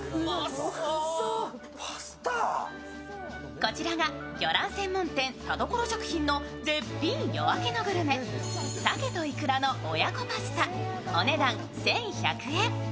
こちらが魚卵専門店・田所食品の絶品夜明けのグルメ鮭といくらの親子パスタお値段、１１００円。